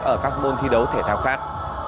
ở các môn thi đấu thể thao khác